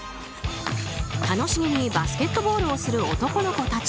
楽しげにバスケットボールをする男の子たち。